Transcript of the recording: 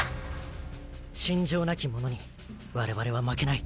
信条なき者に我々は負けない。